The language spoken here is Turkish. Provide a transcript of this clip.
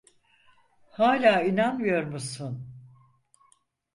Hâlâ inanmıyor musun?